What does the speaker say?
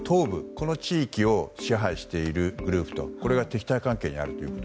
この地域を支配しているグループが敵対関係にあると。